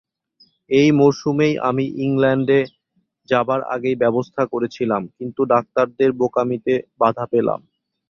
এই মরসুমেই আমি ইংলণ্ডে যাবার আগেই ব্যবস্থা করেছিলাম, কিন্তু ডাক্তারদের বোকামিতে বাধা পেলাম।